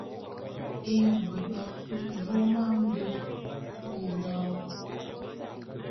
Eyon be nga kui vôm a mbe bilok.